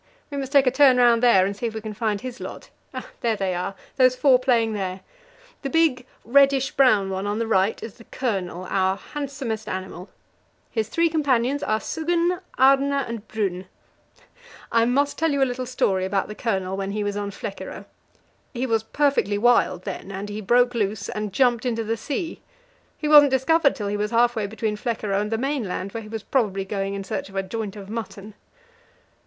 We must take a turn round there and see if we can find his lot. There they are those four playing there. The big, reddish brown one on the right is the Colonel, our handsomest animal. His three companions are Suggen, Arne, and Brun. I must tell you a little story about the Colonel when he was on Flekkerö. He was perfectly wild then, and he broke loose and jumped into the sea. He wasn't discovered till he was half way between Flekkerö and the mainland, where he was probably going in search of a joint of mutton.